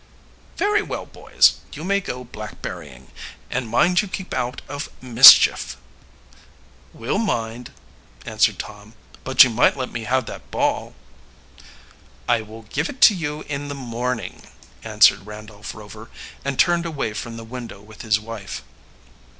"Very well; boys, you may go blackberrying. And mind you keep out of mischief." "We'll mind," answered Tom. "But you might let me have that ball." "I will give it to you in the morning," answered Randolph Rover, and turned away from the window with his wife.